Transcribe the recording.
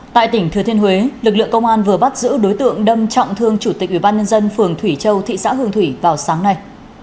tại tỉnh thừa thiên huế lực lượng công an vừa bắt giữ đối tượng đâm trọng thương chủ tịch ubnd phường thủy châu thị xã hương thủy vào sáng nay